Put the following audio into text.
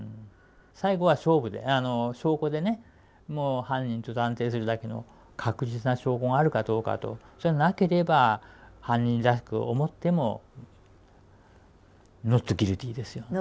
最後は証拠でねもう犯人と断定するだけの確実な証拠があるかどうかとそれがなければ犯人らしく思ってもｎｏｔｇｕｉｌｔｙですよ。